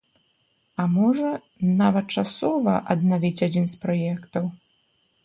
А можа, нават часова аднавіць адзін з праектаў?